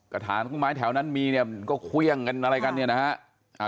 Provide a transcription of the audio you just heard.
กระถานทุกไม้แถวนั้นมีก็เควียงกันอะไรกันนะฮะ